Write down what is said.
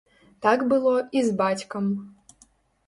Так было і з бацькам.